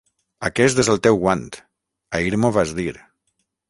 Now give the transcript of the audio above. Aquest és el teu guant; ahir m'ho vas dir.